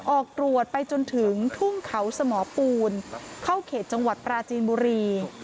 ออกตรวจไปจนถึงทุ่งเขาสมอปูนเข้าเขตจังหวัดปราจีนบุรี